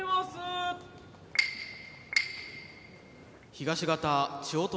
東方千代虎。